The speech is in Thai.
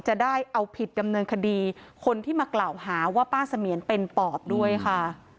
จะได้เอาผิดดำเนินคดีคนที่มากล่าวหาว่าป้าเสมียนเป็นปอบด้วยค่ะ